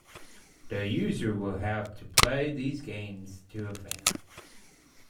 The user will have to play these games to advance.